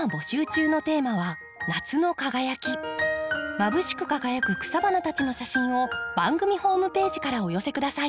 まぶしく輝く草花たちの写真を番組ホームページからお寄せ下さい。